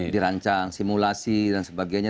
dirancang simulasi dan sebagainya